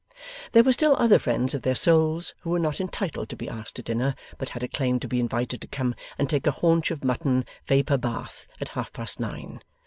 There were still other friends of their souls who were not entitled to be asked to dinner, but had a claim to be invited to come and take a haunch of mutton vapour bath at half past nine.